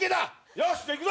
よし行くぞ。